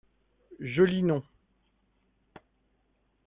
Joli nom